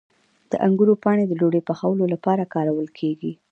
د انګورو پاڼې د ډوډۍ پخولو لپاره کارول کیږي.